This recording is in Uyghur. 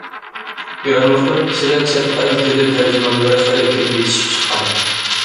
ئىرانلىقلار ئىچىدە چەت ئەل تىلى تەرجىمانلىرى خېلى كۆپ يېتىشىپ چىققان.